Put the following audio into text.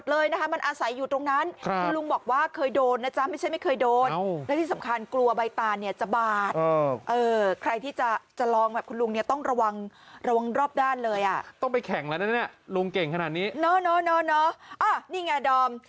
ลุงเก่งขนาดนี้เนอะเนอะเนอะเนอะอ่ะนี่ไงดอม